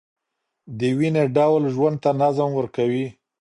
دویني ډول ژوند ته نظم ورکوي.